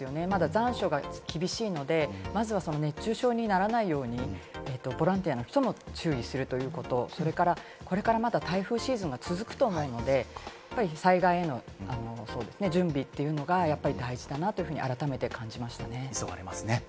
残暑がまだ厳しいので、まずは熱中症にならないように、ボランティアの人も注意するということ、それから、これからまだ台風シーズンが続くと思うので、やはり災害への準備というのが、やはり大事だなと改めて感じましたね。